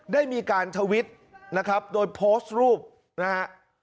ได้มีการทวิตนะครับโดยโพสต์รูปนะฮะ